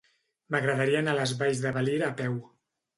M'agradaria anar a les Valls de Valira a peu.